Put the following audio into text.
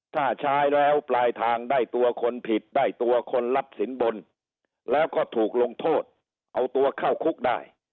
ถ้าใช้แล้วปลายทางได้ตัวคนผิดได้ตัวคนรับสินบนแล้วก็ถูกลงโทษเอาตัวเข้าคุกได้